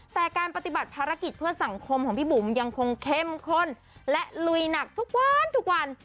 แต่การปฏิบัติภารกิจเพื่อสังคมของพี่บุ๋มยังคงเข้มข้นและลุยหนักทุกวันทุกวัน